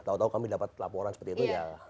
tahu tahu kami dapat laporan seperti itu ya